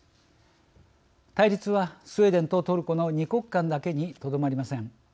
対立はスウェーデンとトルコの２国間だけにとどまりません。